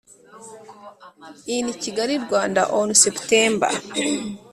in Kigali Rwanda on September